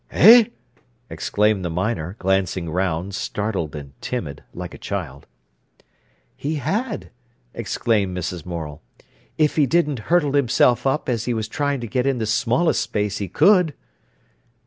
"Eh!" exclaimed the miner, glancing round, startled and timid, like a child. "He had," exclaimed Mrs. Morel, "if he didn't hurtle himself up as if he was trying to get in the smallest space he could."